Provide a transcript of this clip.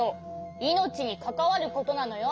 いのちにかかわることなのよ！